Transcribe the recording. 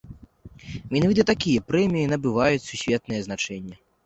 Менавіта такія прэміі набываюць сусветнае значэнне.